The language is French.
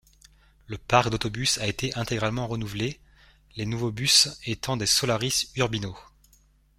Le parc d'autobus a été intégralement renouvelée, les nouveaux bus étant des Solaris Urbino.